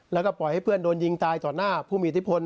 แล้วก็ปล่อยให้เพื่อนโดนยิงตายต่อหน้าผู้มีอิทธิพล